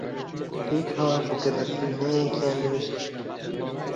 پێکەوە بووکەبەفرینەیەکیان دروست کرد.